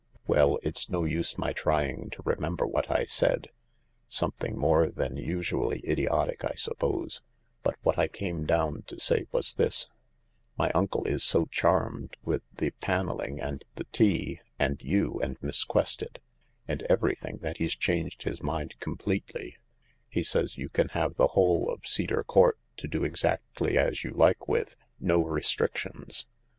Well, it's no use my trying to remember what I said — something more than usually idiotic, I suppose — but what I came down to say was this : my uncle is so charmed with the panelling, and the tea, and you, and Miss Quested, and every thing, that he's changed his mind completely ; he says you can have the whole of Cedar Court to do exactly as you like with — no restrictions.